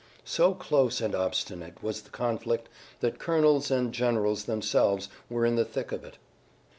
So close and obstinate was the conflict that colonels and generals themselves were in the thick of it.